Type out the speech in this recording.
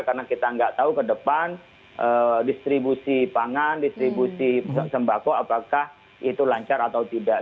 karena kita tidak tahu ke depan distribusi pangan distribusi sembako apakah itu lancar atau tidak